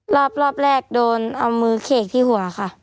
รอบแรกโดนเอามือเขกที่หัวค่ะ